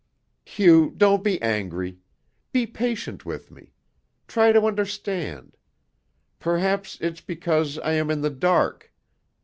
"Hugh, don't be angry. Be patient with me. Try to understand. Perhaps it's because I am in the dark.